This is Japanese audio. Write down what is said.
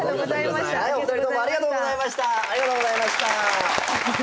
お二人ともありがとうございました！